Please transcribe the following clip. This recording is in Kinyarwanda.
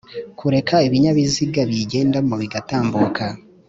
Kureka ibinyabiziga biyigendamo bigatambuka